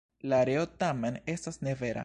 La reo tamen, estas ne vera.